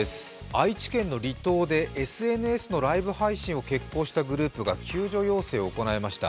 愛知県の離島でＳＮＳのライブ配信をしていた若者が救助要請を行いました。